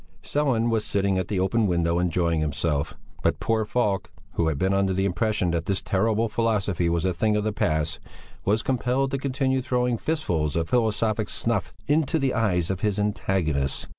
Sellén was sitting at the open window enjoying himself; but poor Falk, who had been under the impression that this terrible philosophy was a thing of the past, was compelled to continue throwing fistfuls of philosophic snuff into the eyes of his antagonists.